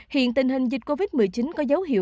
hiện tình hình dịch covid một mươi chín có dấu hiệu